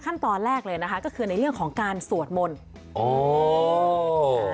ขั้นตอนแรกเลยนะคะก็คือในเรื่องของการสวดมนต์